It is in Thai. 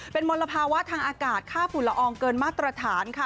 เป็นมลภาวะทางอากาศค่าฝุ่นละอองเกินมาตรฐานค่ะ